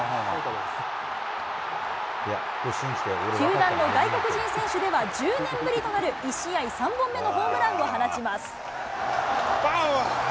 球団の外国人選手では１０年ぶりとなる１試合３本目のホームランを放ちます。